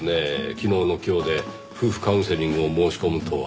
昨日の今日で夫婦カウンセリングを申し込むとは。